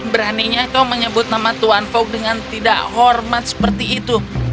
beraninya kau menyebut nama tuan fog dengan tidak hormat seperti itu